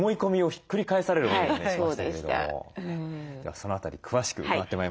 その辺り詳しく伺ってまいりましょう。